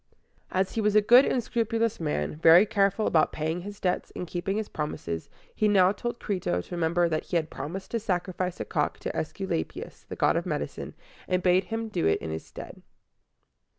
As he was a good and scrupulous man, very careful about paying his debts and keeping his promises, he now told Crito to remember that he had promised to sacrifice a cock to Æs cu la´pi us, the god of medicine, and bade him do it in his stead.